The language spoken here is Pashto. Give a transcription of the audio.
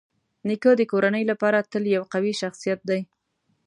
نیکه د کورنۍ لپاره تل یو قوي شخصيت دی.